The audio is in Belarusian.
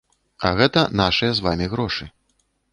А гэта нашыя з вамі грошы.